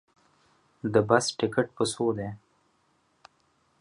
د بس ټکټ په څو ده